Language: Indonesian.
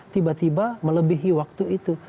tiba tiba melebihi waktu itu